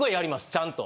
ちゃんと。